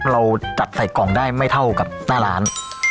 เราจัดใส่กล่องได้ไม่เท่ากับหน้าร้าน